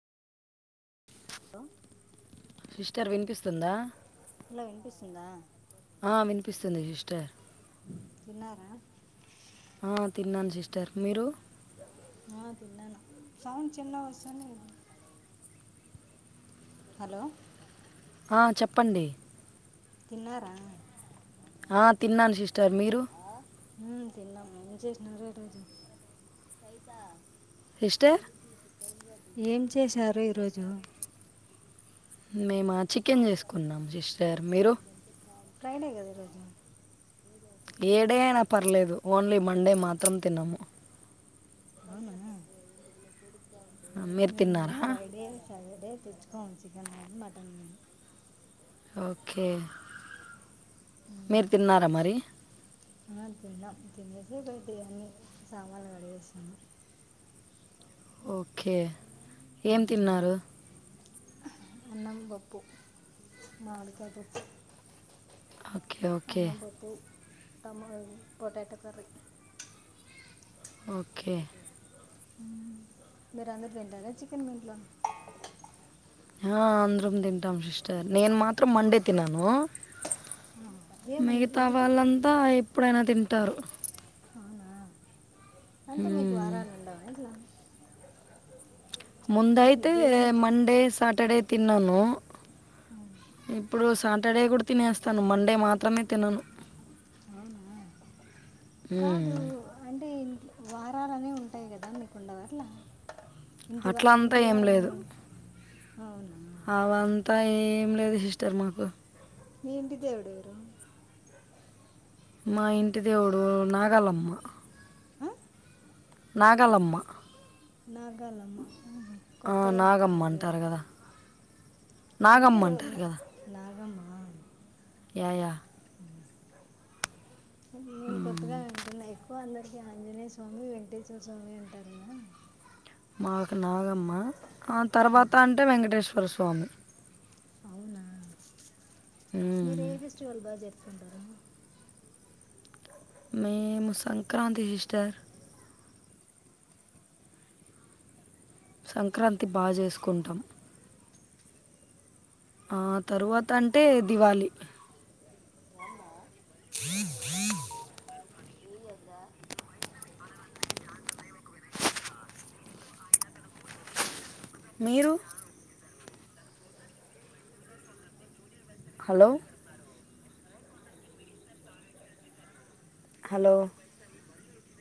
తో [inaudible] ఇచ్చారు వినిపిస్తుందా హలో వినిపిస్తుందా ఆ వినిపిస్తుంది సిస్టర్ తిన్నారా? ఆ తిన్నాను సిస్టర్ మీరు ఆ తిన్నాను సౌండ్ చిన్నగ వస్తుంది. హలో ఆ చెప్పండి తిన్నారా ఆ తిన్నాను సిస్టర్ మీరు ఉమ్ తిన్నాము ఏం చేసినారు ఈరోజు హెస్టే ఏం చేశారు ఈరోజు మేమా చికెన్ చేసుకున్నాం. సిస్టర్ మీరు ఫ్రైడే కదా రోజు ఏడే అయినా పర్లేదు, ఓన్లీ మండే మాత్రం తినము. అవునా ఆ, మీరు మేమ్ తిన్నారా ఫ్రైడే సటర్డే తెచ్చ చికెన్ గానీ మటన్ గానీ ఓకే మీర్ తిన్నారా మరి ఆ, తిన్నాం తినేసి బట్టి అన్ని సామాన్లు కడిగేస్తున్నాము. ఓకే ఏం తిన్నారు అన్నం పప్పు మామిడికాయ పప్పు అక్ అన్నం పప్పు టమల్ పొటాటో కర్రి ఓకే మీరు అందరు తింటారా, చికెన్ మీంట్లో హా అందరం తింటాం సిస్టర్ నేను మాత్రం మండే అందరు తిననూ ఏమన్ మిగతా ఎందుకు వాళ్లంతా ఎప్పుడైనా తింటారు. అవునా అంటే మీకు మ్మ్. వారాలు ఉండవా ఇంట్లా అంటే ముందయితే దేవునికి మండే సాటర్డే తిన్నాను ఉమ్, ఎప్పుడో సాటర్డే కూడా తినేస్తను మండే మాత్రమే తినను అవునా మ్మ్. కాదూ అంటే వారాలనే ఉంటాయి కదా మీకుండవా అట్ల ఇంటి వ అట్లా అంతా ఇంటి వారం అనే అవును అవంత ఏం లేదు సిస్టర్ మాకు మీ ఇంటి దేవుడెవరు మా ఇంటి దేవుడు నాగలమ్మ ఆ? నాగలమ్మా నాగాలమ్మ కొత్తగా నాగమ్మ ఇంటున్న పేరు అంటారు కదా అంటే నాగమ్మ ఎ అంటారు నాగమ్మ యాయా నేను కొత్తగా వింటున్నా ఎక్కువ అందరి ఇ ఆంజనేయ స్వామి వెంకటేశ్వర స్వామి అంటారు గదా మాకు నాగమ్మా ఆ తర్వాత ఆహా అంటే వెంకటేశ్వర స్వా వామి అవునా మీరు మ్మ్. ఏ ఫెస్టివల్ బాజ్ కుండరా మేము సంక్రాతి సిస్టర్ సంక్రాంతి బా చేసుకుంటాం ఆ తరువాత అంటే దీవాలి మీరు హలో హలో